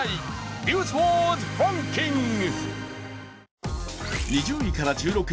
「ニュースワードランキング」。